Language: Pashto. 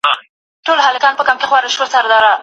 ایا دا صابون د پوستکي لپاره مناسب دی؟